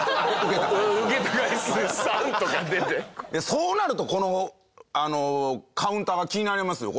そうなるとこのカウンターが気になりますよ。